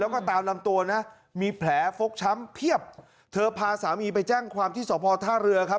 กลางตัวนะมีแผลฟกช้ำเพียบเธอพาสามีไปแจ้งความที่สอบพอด์ท่าเรือครับ